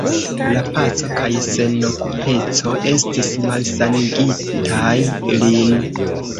La paco kaj senokupeco estis malsanigintaj lin.